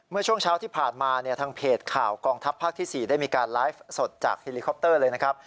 เมื่อช่วงเช้าที่ผ่านมาเนี่ยทางเพจข่าวกองทัพภาคที่๔ได้มีการไลฟ์สดจากเฮลิคอปเตอร์เลยนะครับ